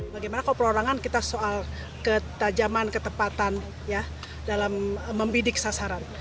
bagaimana kalau perorangan kita soal ketajaman ketepatan dalam membidik sasaran